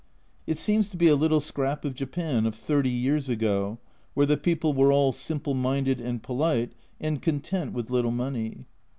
It seems to be a little scrap of Japan of thirty years ago, where the people were all simple minded and polite, and content with little money.